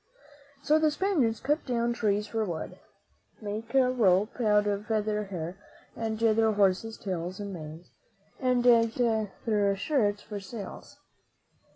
So the Spaniards cut down trees for wood, made rope out of the hair of their horses' tails and manes, and used their shirts for sails.